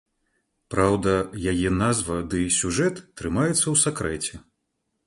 Праўда, яе назва ды сюжэт трымаюцца ў сакрэце.